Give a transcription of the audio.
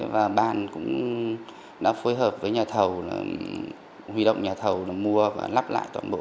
và bàn cũng đã phối hợp với nhà thầu là huy động nhà thầu mua và lắp lại toàn bộ